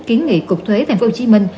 kiến nghị cục thuế thành phố hồ chí minh